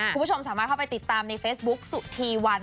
คุณผู้ชมสามารถเข้าไปติดตามในเฟซบุ๊คสุธีวัน